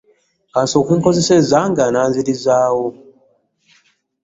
Ka nsooke nkozese ku zange onanzirizaawo.